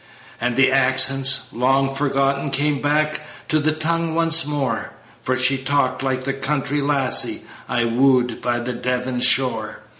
"And the accents long forgotten, Came back to the tongue once more, For she talked like the country lassie I woo'd by the Devon shore.